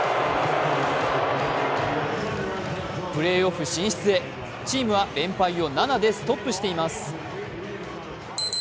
プレーオフ進出へチーム連敗を７でストップしています。